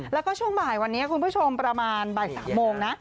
แล้วก็ช่วงบ่ายวันนี้คุณผู้ชมประมาณบ่าย๓โมงนะ